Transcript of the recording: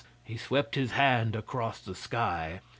He swept his hand across the sky.